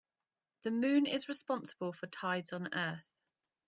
The moon is responsible for tides on earth.